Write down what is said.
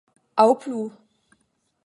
Aŭ plu.